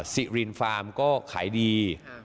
สิรินฟาร์มก็ขายดี